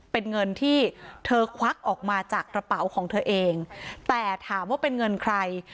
เป็นเงินที่เธอควักออกมาจากกระเป๋าของเธอเองแต่ถามว่าเป็นเงินใคร